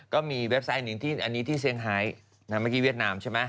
ก็มีแว็บไซต์อันนี้ที่เซียงไฮส์เนี่ยเมื่อกี้เวียดนามใช่ไหม